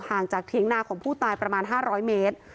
จากเถียงนาของผู้ตายประมาณ๕๐๐เมตร